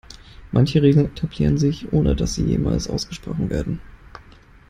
Manche Regeln etablieren sich, ohne dass sie jemals ausgesprochen werden.